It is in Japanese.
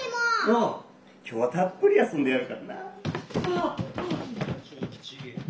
今日はたっぷり遊んでやるからな。